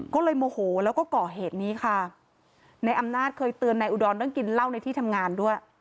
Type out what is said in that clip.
ก็เลยโมโหแล้วก็ก่อเหตุนี้ค่ะนายอำนาจเคยเตือนนายอุดรเรื่องกินเหล้าในที่ทำงานด้วย